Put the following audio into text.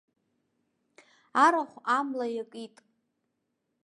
Арахә амла иакит.